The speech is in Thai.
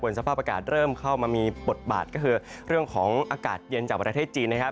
ส่วนสภาพอากาศเริ่มเข้ามามีบทบาทก็คือเรื่องของอากาศเย็นจากประเทศจีนนะครับ